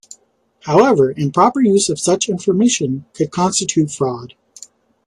However, improper use of such information could constitute fraud.